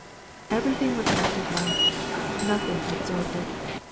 Everything reflected light, nothing absorbed it.